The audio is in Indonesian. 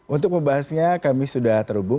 untuk membahasnya kami sudah terhubung